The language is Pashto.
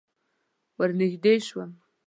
ور نږدې شوم.